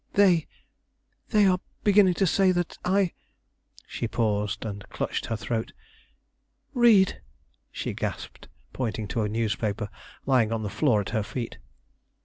They they are beginning to say that I " she paused, and clutched her throat. "Read!" she gasped, pointing to a newspaper lying on the floor at her feet.